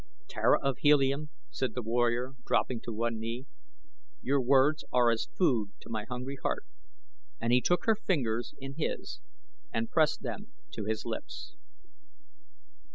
"Tara of Helium," said the warrior, dropping to one knee, "your words are as food to my hungry heart," and he took her fingers in his and pressed them to his lips.